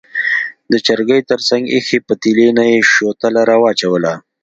د چرګۍ تر څنګ ایښې پتیلې نه یې شوتله راواچوله.